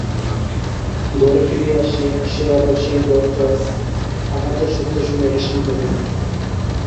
ঘরে ফিরিয়া আসিয়া সে আবার সেই দরজায় আঘাতের শব্দ শুনিয়া বিস্মিত হইল।